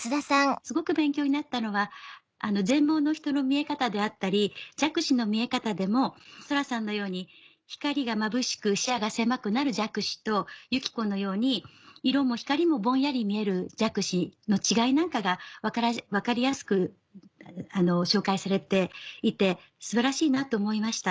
すごく勉強になったのは全盲の人の見え方であったり弱視の見え方でも空さんのように光がまぶしく視野が狭くなる弱視とユキコのように色も光もぼんやり見える弱視の違いなんかが分かりやすく紹介されていて素晴らしいなと思いました。